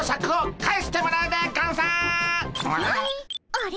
あれ？